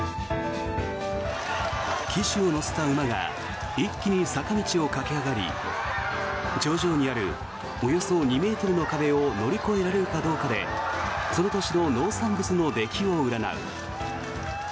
騎手を乗せた馬が一気に坂道を駆け上がり頂上にあるおよそ２ｍの壁を乗り越えられるかどうかでその年の農産物の出来を占う。